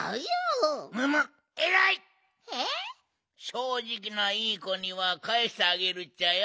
しょうじきないいこにはかえしてあげるっちゃよ。